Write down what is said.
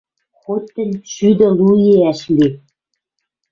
Хоть тӹнь шӱдӹ лу иӓш ли.